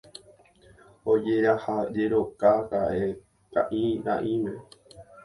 Ojerahájekoraka'e ka'irãime